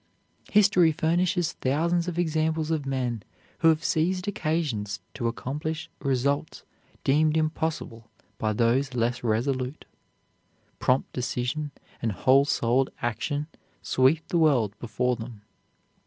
History furnishes thousands of examples of men who have seized occasions to accomplish results deemed impossible by those less resolute. Prompt decision and whole souled action sweep the world before them.